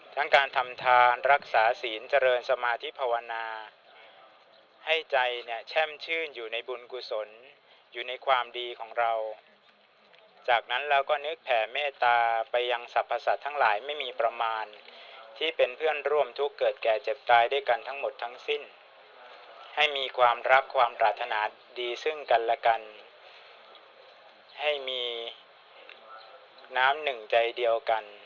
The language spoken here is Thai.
ทั้งการทำทานรักษาศีลเจริญสมาธิภาวนาให้ใจเนี่ยแช่มชื่นอยู่ในบุญกุศลอยู่ในความดีของเราจากนั้นเราก็นึกแผ่เมตตาไปยังสรรพสัตว์ทั้งหลายไม่มีประมาณที่เป็นเพื่อนร่วมทุกข์เกิดแก่เจ็บตายด้วยกันทั้งหมดทั้งสิ้นให้มีความรักความปรารถนาดีซึ่งกันและกันให้มีน้ำหนึ่งใจเดียวกัน